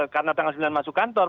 karena tanggal sembilan masuk kantor